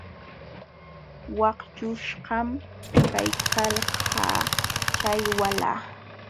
Waqlluśhqam kaykalkaa chay walah.